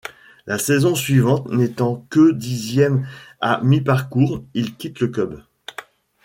La saison suivante n'étant que dixième à mi-parcours il quitte le club.